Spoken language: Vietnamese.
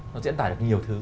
nó diễn tả được nhiều thứ